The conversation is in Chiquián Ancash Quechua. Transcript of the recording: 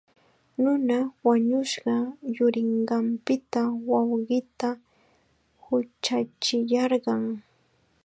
Nuna wañushqa yurinqanpita wawqiita huchachiyarqan.